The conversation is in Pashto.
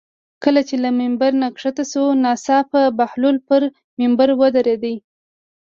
کله چې له ممبر نه ښکته شو ناڅاپه بهلول پر ممبر باندې ودرېد.